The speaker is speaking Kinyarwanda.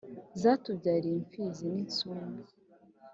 zatubyariye imfizi n’insumba